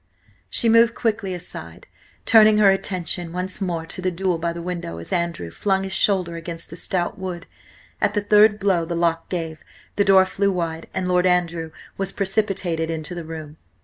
She moved quickly aside, turning her attention once more to the duel by the window, as Andrew flung his shoulder against the stout wood. At the third blow the lock gave, the door flew wide, and Lord Andrew was precipitated into the room.